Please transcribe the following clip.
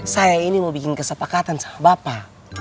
saya ini mau bikin kesepakatan sama bapak